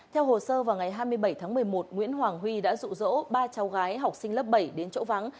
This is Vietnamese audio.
theo hồ sơ vào ngày hai mươi bảy tháng một mươi một nguyễn hoàng huy đã rụ rỗ ba cháu gái học sinh lớp bảy đến chỗ vắng